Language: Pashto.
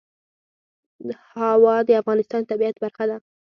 هوا د افغانستان د طبیعت برخه ده.